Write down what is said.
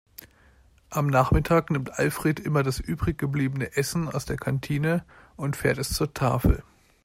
Am Nachmittag nimmt Alfred immer das übrig gebliebene Essen aus der Kantine und fährt es zur Tafel.